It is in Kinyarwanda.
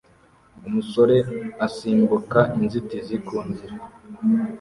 Umusore asimbuka inzitizi ku nzira